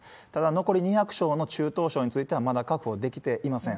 残り２００床の中等症については、まだ確保できていません。